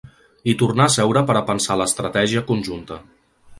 I tornar a seure per a pensar l’estratègia conjunta.